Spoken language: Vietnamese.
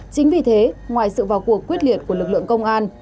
chính vì thế ngoài sự vào cuộc quyết liệt của lực lượng công an